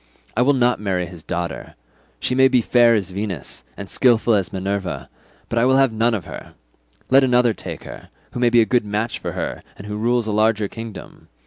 I will not marry his daughter; she may be fair as Venus, and skilful as Minerva, but I will have none of her: let another take her, who may be a good match for her and who rules a larger kingdom.